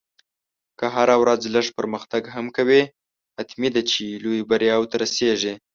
که هره ورځ لږ پرمختګ هم کوې، حتمي ده چې لویو بریاوو ته رسېږې.